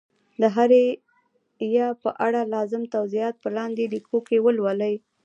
د هري ي په اړه لازم توضیحات په لاندي لیکو کي ولولئ